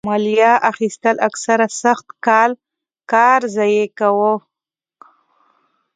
مالیه اخیستل اکثره سخت کال کار ضایع کاوه.